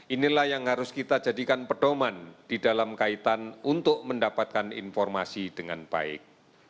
inilah yang harus kita jadikan pedoman di dalam kaitan untuk mendapatkan informasi dengan baik